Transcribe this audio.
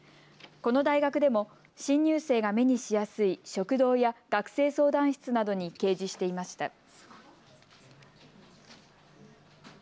この大学でも新入生が目にしやすい食堂や学生相談室などに掲示していました。